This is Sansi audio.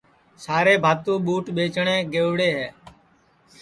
سارے بھاتُو ٻوٹ ٻیچٹؔیں گئوڑے ہے